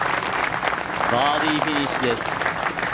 バーディーフィニッシュです。